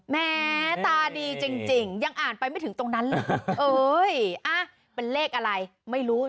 แม้ตาดีจริงยังอ่านไปไม่ถึงตรงนั้นเลยเอ้ยเป็นเลขอะไรไม่รู้